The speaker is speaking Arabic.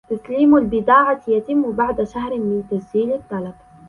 تسليم البضاعة يتم بعد شهر من تسجيل الطلب.